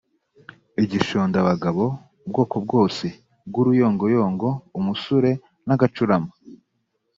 igishondabagabo, ubwoko bwose bw’uruyongoyongo, umusure, n’agacurama.